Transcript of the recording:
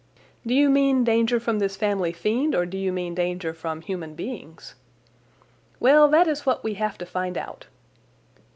"Do you mean danger from this family fiend or do you mean danger from human beings?" "Well, that is what we have to find out."